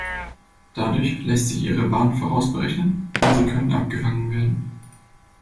Dadurch lässt sich ihre Bahn vorausberechnen und sie können abgefangen werden.